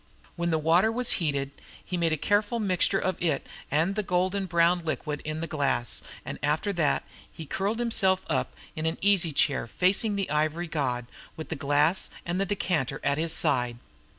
When the water was heated he made a careful mixture of it and the golden brown liquid in the glass; and after that he curled himself up in an easy chair facing the ivory god, with the glass and the decanter at his side.